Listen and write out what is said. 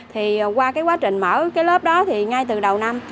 thì qua cái quá trình mở cái lớp đó thì ngay từ đầu năm